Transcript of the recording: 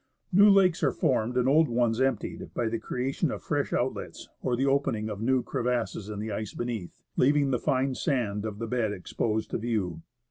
New lakes are formed and old ones emptied, by the creation of fresh out lets, or the opening of new crevasses in the ice beneath, leaving the fine sand of the bed exposed to view.